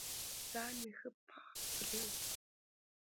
ځان مې ښه پاک پرېوه.